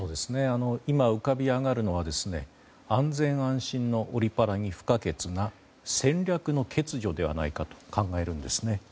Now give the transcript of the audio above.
今、浮かび上がるのは安全・安心のオリパラに不可欠な戦略の欠如ではないかと考えるんですね。